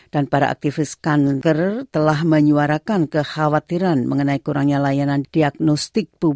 dan para aktivis kandengger telah menyuarakan kekhawatiran mengenai kurangnya layanan diagnostik